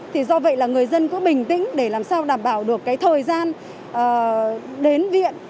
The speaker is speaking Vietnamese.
thì do vậy là người dân cứ bình tĩnh để làm sao đảm bảo được cái thời gian